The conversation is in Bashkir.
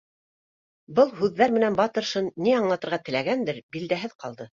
Был һүҙҙәр менән Батыршин ни аңлатырға теләгәндер, билдәһеҙ ҡалды